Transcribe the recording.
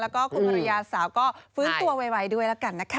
แล้วก็คุณภรรยาสาวก็ฟื้นตัวไวด้วยแล้วกันนะคะ